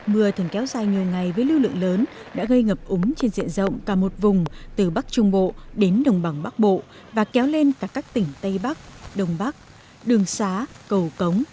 mưa thần kéo dài nhiều ngày với lưu lượng lớn đã gây ngập úng trên diện rộng cả một vùng từ bắc trung bộ đến đồng bằng bắc bộ và kéo lên cả các tỉnh tây bắc đông bắc đường xá cầu cống